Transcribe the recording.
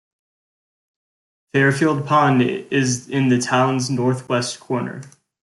Fairfield Pond is in the town's northwest corner.